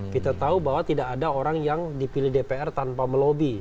kita tahu bahwa tidak ada orang yang dipilih dpr tanpa melobi